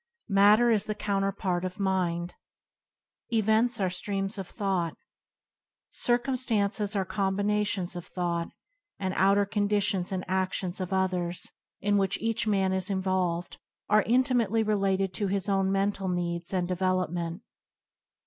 Matter is the counterpart of mind. Events are streams of thought. Circum stances are combinations of thought, and the outer conditions and adlions of others in which each man is involved are intimately related to his own mental needs and devel opment.